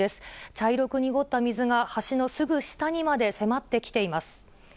茶色く濁った水が橋のすぐ下にまで迫ってきています。